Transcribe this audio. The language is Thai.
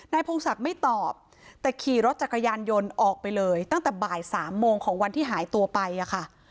พงศักดิ์ไม่ตอบแต่ขี่รถจักรยานยนต์ออกไปเลยตั้งแต่บ่ายสามโมงของวันที่หายตัวไปอะค่ะ